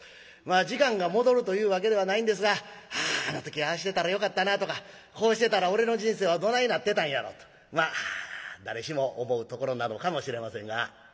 時間が戻るというわけではないんですがああの時ああしてたらよかったなとかこうしてたら俺の人生はどないなってたんやろうとまあ誰しも思うところなのかもしれませんが。